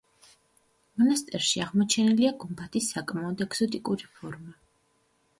მონასტერში აღმოჩენილია გუმბათის საკმაოდ ეგზოტიკური ფორმა.